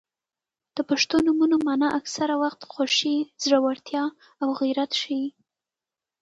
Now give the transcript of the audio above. • د پښتو نومونو مانا اکثره وخت خوښي، زړورتیا او غیرت ښيي.